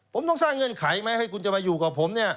ผมต้องสร้างเงื่อนไขไหมให้คุณจะมาอยู่กับผมเนี่ย